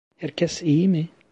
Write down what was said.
Herkes iyi mi?